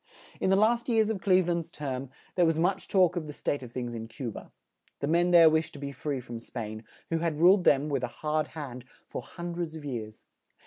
In the last years of Cleve land's term, there was much talk of the state of things in Cu ba. The men there wished to be free from Spain, who had ruled them, with a hard hand, for hun dreds of years.